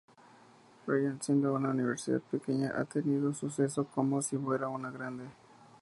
Bryant, siendo una universidad pequeña, ha tenido suceso como si fuera una grande.